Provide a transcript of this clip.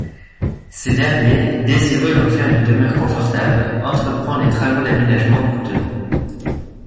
Ce dernier, désireux d’en faire une demeure confortable, entreprend des travaux d’aménagements coûteux.